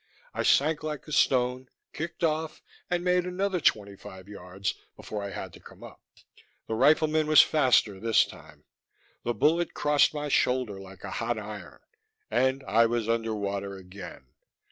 I sank like a stone, kicked off, and made another twenty five yards before I had to come up. The rifleman was faster this time. The bullet crossed my shoulder like a hot iron, and I was under water again.